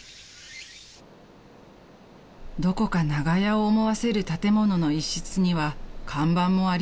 ［どこか長屋を思わせる建物の一室には看板もありません］